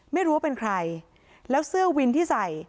ไม่รู้ว่าเป็นใครแล้วเสื้อวินที่ใส่